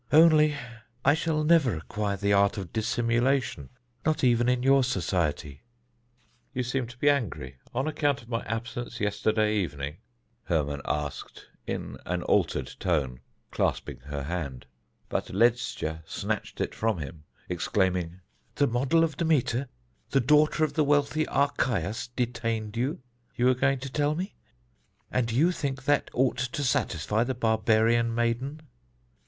Only I shall never acquire the art of dissimulation, not even in your society." "You seem to be angry on account of my absence yesterday evening?" Hermon asked in an altered tone, clasping her hand; but Ledscha snatched it from him, exclaiming: "The model of the Demeter, the daughter of the wealthy Archias, detained you, you were going to tell me, and you think that ought to satisfy the barbarian maiden."